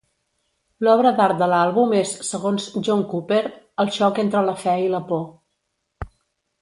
L'obra d'art de l'àlbum és, segons John Cooper, el xoc entre la fe i la por.